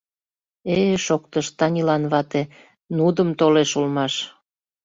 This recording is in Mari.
— Э-э, — шоктыш Танилан вате, — нудым толеш улмаш.